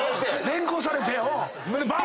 連行されて。